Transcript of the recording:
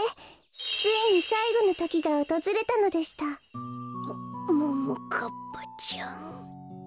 ついにさいごのときがおとずれたのでしたもももかっぱちゃん。